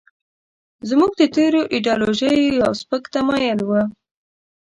زموږ د تېرو ایډیالوژیو یو سپک تمایل و.